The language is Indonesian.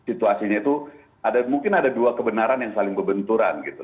jadi situasinya itu mungkin ada dua kebenaran yang saling berbenturan gitu